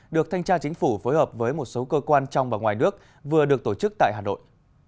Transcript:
được thanh tra chính phủ phối hợp với một số cơ quan trong và ngoài nước vừa được tổ chức tại hà nội